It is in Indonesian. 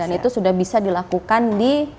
dan itu sudah bisa dilakukan di